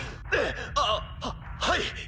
あっははい！